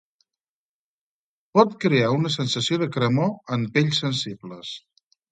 Pot crear una sensació de cremor en pells sensibles.